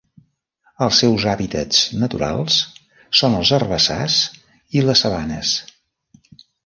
Els seus hàbitats naturals són els herbassars i les sabanes.